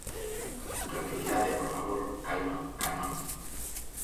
Tranquilidade, por favor, calma, calma.